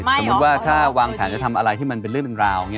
สมมุติว่าถ้าวางแผนจะทำอะไรที่มันเป็นเรื่องเป็นราว